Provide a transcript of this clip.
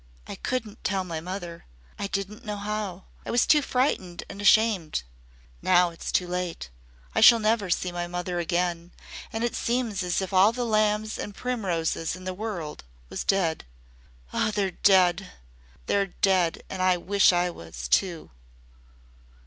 "I couldn't tell my mother. I did not know how. I was too frightened and ashamed. Now it's too late. I shall never see my mother again, and it seems as if all the lambs and primroses in the world was dead. Oh, they're dead they're dead and I wish I was, too!"